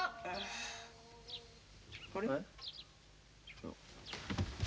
あれ？